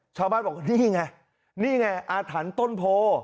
ชาวบ้านบอกว่านี่ไงนี่ไงอาถรรพ์ต้นโพ